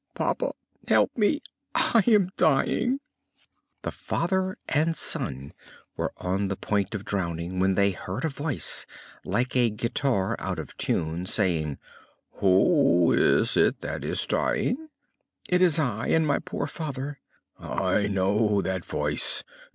"Papa, help me, I am dying!" The father and son were on the point of drowning when they heard a voice like a guitar out of tune saying: "Who is it that is dying?" "It is I, and my poor father!" "I know that voice!